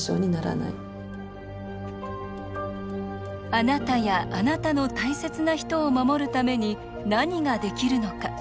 あなたやあなたの大切な人を守るために何ができるのか。